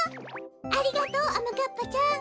ありがとうあまかっぱちゃん。